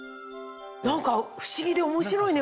何か不思議で面白いね